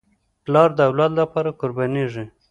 پلار د اولاد لپاره قربانېږي.